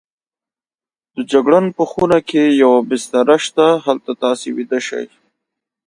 د جګړن په خونه کې یوه بستره شته، هلته تاسې ویده شئ.